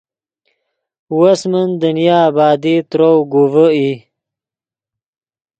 وس من دنیا آبادی ترؤ گوڤے ای